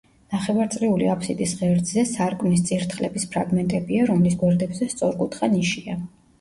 ნახევარწრიული აფსიდის ღერძზე სარკმლის წირთხლების ფრაგმენტებია, რომლის გვერდებზე სწორკუთხა ნიშია.